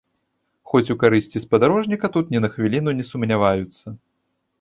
Хоць у карысці спадарожніка тут ні на хвіліну не сумняваюцца.